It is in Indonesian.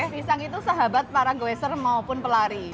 pisang itu sahabat para goizer maupun pelari